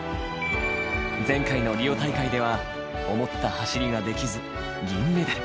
前回のリオ大会では思った走りができず銀メダル。